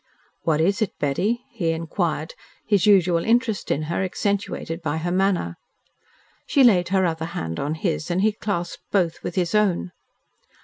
"What is it, Betty?" he inquired, his usual interest in her accentuated by her manner. She laid her other hand on his and he clasped both with his own.